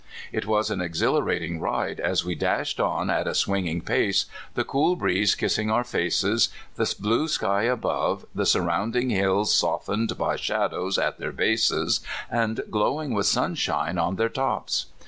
It was an exhilarating ride as we dashed on at a swing ing pace, the cool breeze kissing our faces, the blue sky above, the surrounding hills softened by shadows at their bases and glowing wnth sunshine on their tops.